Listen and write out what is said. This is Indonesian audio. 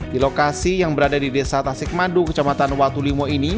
di lokasi yang berada di desa tasik madu kecamatan watulimo ini